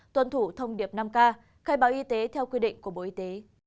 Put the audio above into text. tuân thủ thông điệp năm k khai báo y tế theo quy định của bộ y tế